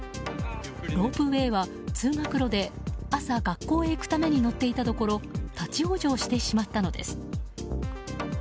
ロープウェーは通学路で朝、学校へ行くために乗っていたところ立ち往生してしまったのです。